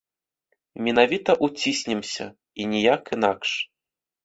Менавіта ўціснемся, і ніяк інакш.